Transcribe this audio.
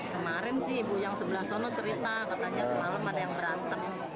kemarin sih ibu yang sebelah sana cerita katanya semalam ada yang berantem